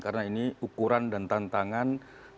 karena ini ukuran dan tantangan